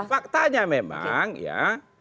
faktanya memang ya